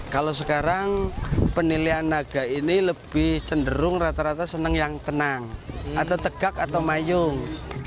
kalau sekarang penilaian naga ini lebih cenderung rata rata seneng yang tenang atau tegak atau mayung